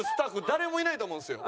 誰もいないと思うんですよ。